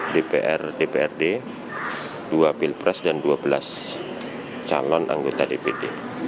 dpr dprd dua pilpres dan dua belas calon anggota dpd